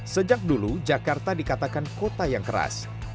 sejak dulu jakarta dikatakan kota yang keras